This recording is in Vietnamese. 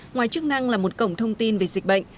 ngoài chức năng là một cổng thông tin về dịch bệnh